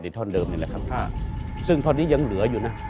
ท่อนเดิมนี่แหละครับซึ่งท่อนนี้ยังเหลืออยู่นะ